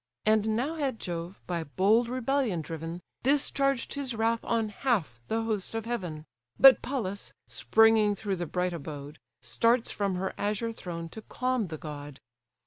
And now had Jove, by bold rebellion driven, Discharged his wrath on half the host of heaven; But Pallas, springing through the bright abode, Starts from her azure throne to calm the god.